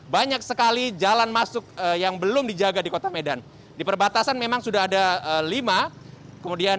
banyak sekali jalan masuk yang belum dijaga di kota medan di perbatasan memang sudah ada lima kemudian